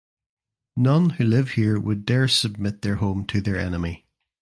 None who live here would dare submit their home to their enemy.